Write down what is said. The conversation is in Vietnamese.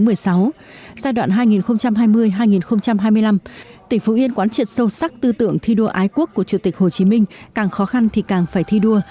giai đoạn hai nghìn hai mươi hai nghìn hai mươi năm tỉnh phú yên quán triệt sâu sắc tư tượng thi đua ái quốc của chủ tịch hồ chí minh càng khó khăn thì càng phải thi đua